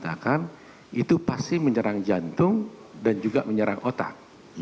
itu pasti menyerang jantung dan juga menyerang otak